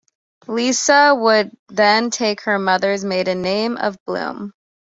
Lisa would then take her mother's maiden name of Bloom.